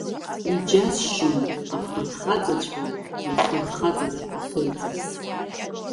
Иџьасшьом афырхацәаҵәҟьа рфырхаҵара ахьырӡаз…